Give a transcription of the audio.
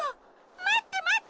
まってまって！